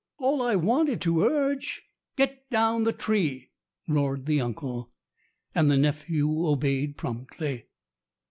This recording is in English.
"All I wanted to urge " "Get down the tree," roared the uncle. And the nephew obeyed promptly.